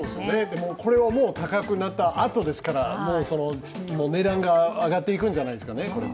でも、これはもう高くなったあとですから、値段が上がっていくんじゃないですか。